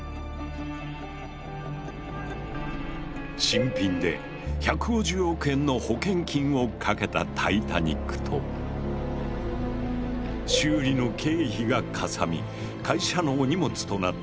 新品で１５０億円の保険金をかけたタイタニックと修理の経費がかさみ会社のお荷物となったオリンピック。